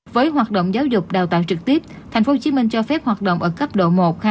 với hoạt động giáo dục đào tạo trực tiếp tp hcm cho phép hoạt động ở cấp độ một hai